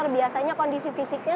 biasanya kondisi fisiknya